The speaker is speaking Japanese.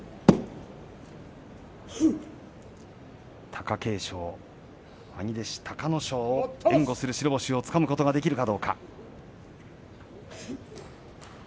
貴景勝、兄弟子隆の勝を援護する白星をつかむことができるか。